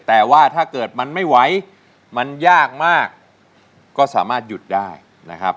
แต่ว่าถ้าเกิดมันไม่ไหวมันยากมากก็สามารถหยุดได้นะครับ